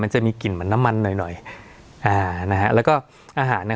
มันจะมีกลิ่นเหมือนน้ำมันหน่อยหน่อยอ่านะฮะแล้วก็อาหารเนี้ย